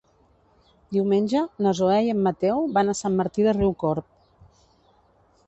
Diumenge na Zoè i en Mateu van a Sant Martí de Riucorb.